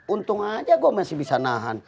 untung aja gue masih bisa nahan